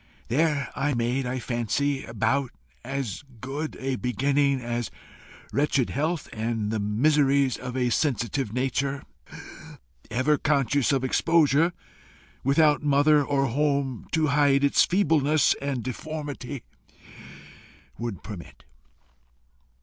There I made, I fancy, about as good a beginning as wretched health, and the miseries of a sensitive nature, ever conscious of exposure, without mother or home to hide its feebleness and deformity, would permit.